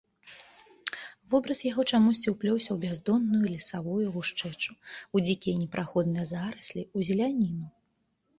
Вобраз яго чамусьці ўплёўся ў бяздонную лесавую гушчэчу, у дзікія непраходныя зараслі, у зеляніну.